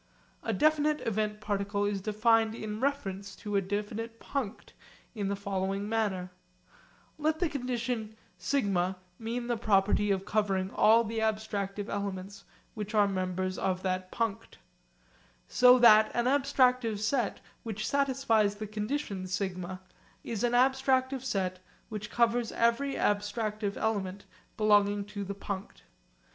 A definite event particle is defined in reference to a definite punct in the following manner: Let the condition σ mean the property of covering all the abstractive elements which are members of that punct; so that an abstractive set which satisfies the condition σ is an abstractive set which covers every abstractive element belonging to the punct.